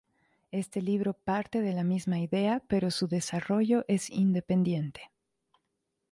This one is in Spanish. Este libro parte de la misma idea pero su desarrollo es independiente.